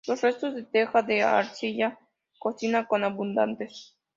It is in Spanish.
Los restos de teja de arcilla cocida son abundantes.